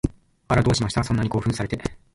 あら、どうしました？そんなに興奮されて